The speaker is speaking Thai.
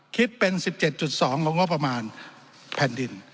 คิดเป็น๑๗๒ของงบประมาณแผ่นดิน